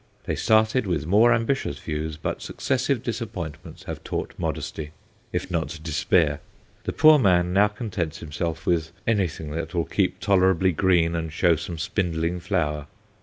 They started with more ambitious views, but successive disappointments have taught modesty, if not despair. The poor man now contents himself with anything that will keep tolerably green and show some spindling flower.